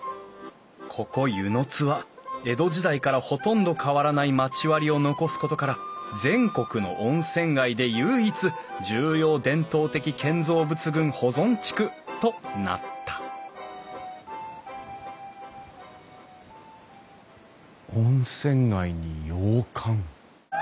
ここ温泉津は江戸時代からほとんど変わらない町割りを残すことから全国の温泉街で唯一重要伝統的建造物群保存地区となった温泉街に洋館。